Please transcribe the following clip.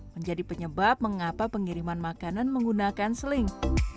menjadi penyebab mengapa pengiriman makanan menggunakan seling